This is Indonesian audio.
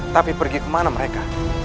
tapi pergi kemana mereka